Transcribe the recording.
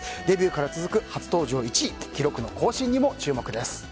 デビューから続く初登場１位の記録の更新にも注目です。